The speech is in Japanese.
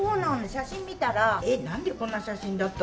写真見たら「えっなんでこんな写真だった？」